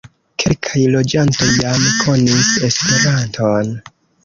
Kelkaj loĝantoj jam konis Esperanton.